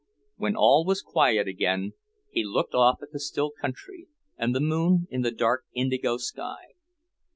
When all was quiet again he looked off at the still country, and the moon in the dark indigo sky.